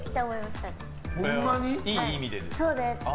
いい意味でですか？